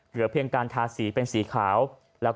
เหลือเพียงการทาสีเป็นสีขาว